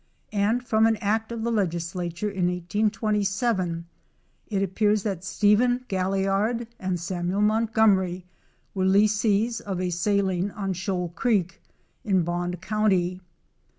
And from an act of the legislature in 1827, it appears that Stephen Galliard and Samuel Montgomery were lessees of a saline on Shoal creek, in Bond county.